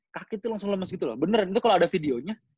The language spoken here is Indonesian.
kaki itu langsung lemes gitu loh bener itu kalau ada videonya